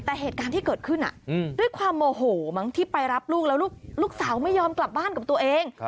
แต่เหตุการณ์ที่เกิดขึ้นด้วยความโมโหมั้งที่ไปรับลูกแล้วลูกสาวไม่ยอมกลับบ้านกับตัวเอง